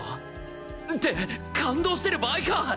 って感動してる場合か！